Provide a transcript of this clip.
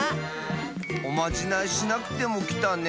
おまじないしなくてもきたね。